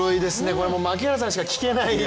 これは槙原さんしか聞けない、素顔。